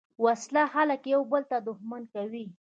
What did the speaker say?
وسله خلک یو بل ته دښمن کوي